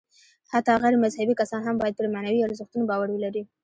حتی غیر مذهبي کسان هم باید پر معنوي ارزښتونو باور ولري.